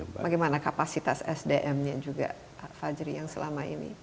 bagaimana kapasitas sdm nya juga pak fajri yang selama ini